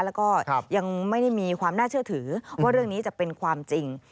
แล้วก็ยังไม่ได้มีความน่าเชื่อถือว่าเรื่องนี้จะเป็นความจริง